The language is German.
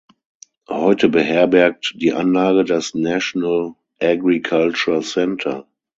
Heute beherbergt die Anlage das National Agricultural Centre.